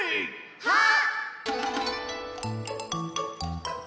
はっ！